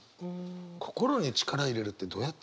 心に力入れるってどうやってやるの？